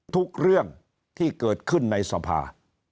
ทุกเรื่องที่เกิดขึ้นในสภา